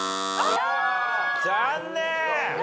残念！